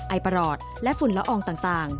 ไอประหลอดและฝุ่นละอองต่าง